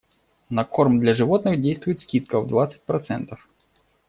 На корм для животных действует скидка в двадцать процентов.